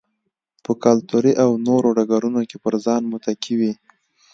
په کلتوري او نورو ډګرونو کې پر ځان متکي وي.